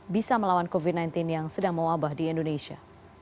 bisa melawan covid sembilan belas yang sedang mewabah di indonesia